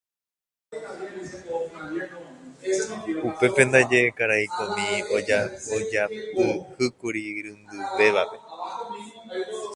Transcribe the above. Upépe ndaje karai komi ojapyhýkuri irundyvévape.